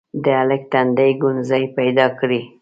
د هلک تندي ګونځې پيدا کړې: